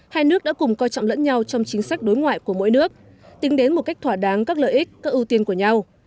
hai nước đã cùng coi trọng lẫn nhau trong chính sách đối ngoại của mỗi nước tính đến một cách thỏa đáng các lợi ích các ưu tiên của nhau